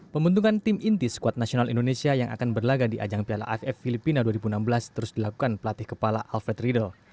pembentukan tim inti skuad nasional indonesia yang akan berlaga di ajang piala aff filipina dua ribu enam belas terus dilakukan pelatih kepala alfred riedel